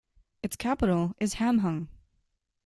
Its capital is Hamhung.